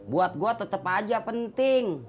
buat gue tetap aja penting